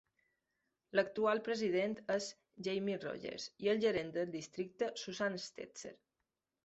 L'actual president és Jamie Rogers i el gerent de districte, Susan Stetzer.